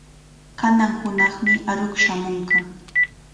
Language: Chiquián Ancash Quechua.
Kanan hunaqmi aruq shamunqa.